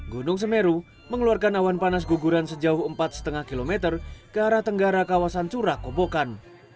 gunung semeru mengeluarkan awan panas guguran sejauh empat lima km ke arah tenggara kawasan curah kobokan